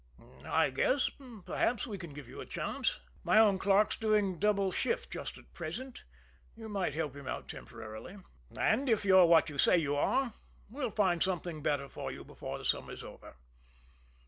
"I guess, perhaps, we can give you a chance. My own clerk's doing double shift just at present; you might help him out temporarily. And if you're what you say you are, we'll find something better for you before the summer's over.